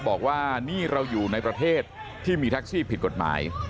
บอกว่านี่เราอยู่ในประเทศที่มีแท็กซี่ผิดกฎหมาย